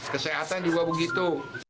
kesehatan juga begitu